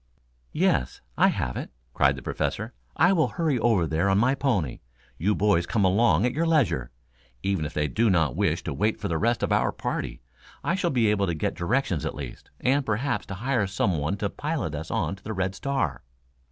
"Yes. I have it," cried the Professor. "I will hurry over there on my pony. You boys come along at your leisure. Even if they do not wish to wait for the rest of our party, I shall be able to get directions at least, and perhaps to hire some one to pilot us on to the Red Star."